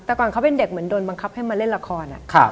แต่ก่อนเขาเป็นเด็กเหมือนโดนบังคับให้มาเล่นละคร